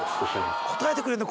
答えてくれんの？